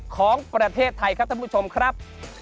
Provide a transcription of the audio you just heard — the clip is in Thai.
ของประเทศไทยครับท่านผู้ชมครับ